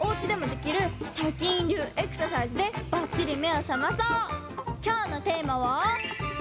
きょうのテーマは「耳」！